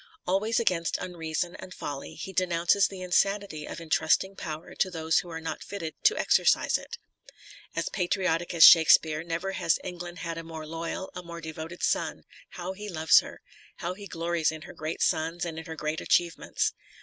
Always against unreason and folly, he denounces the insanity of entrusting power to those who are not fitted to exercise it. As patriotic as Shake speare, never has England had a more loyal, a more devoted son — ^how he loves her ! how he glories in her great sons and in her great achieve ments.